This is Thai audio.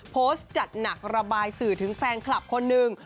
โพสต์จัดหนักระบายสื่อถึงแฟนคลับคนหนึ่ง